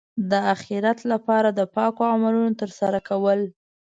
د اخرت لپاره د پاکو عملونو ترسره کول.